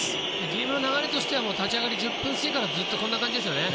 ゲームの流れとしては立ち上がり１０分過ぎからずっとこんな感じですよね。